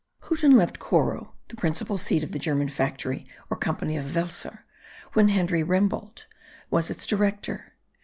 Huten left Coro, the principal seat of the German factory or company of Welser, when Henry Remboldt was its director.